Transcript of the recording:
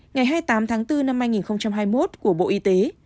ngày hai mươi tám tháng bốn năm hai nghìn hai mươi một của bộ y tế